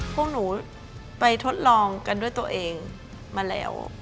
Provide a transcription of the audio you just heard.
พวกหนูไปทดลองกันด้วยตัวเองมาแล้ว